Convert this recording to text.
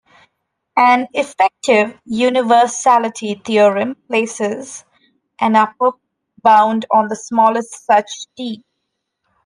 An "effective" universality theorem places an upper bound on the smallest such "t".